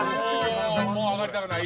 もう上がりたくない。